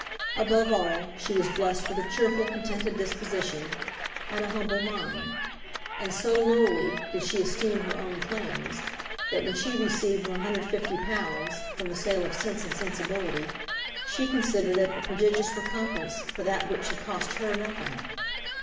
Above all, she was blessed with a cheerful contented disposition, and an humble mind; and so lowly did she esteem her own claims, that when she received 150_l_. from the sale of 'Sense and Sensibility,' she considered it a prodigious recompense for that which had cost her nothing.